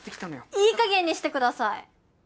いいかげんにしてください！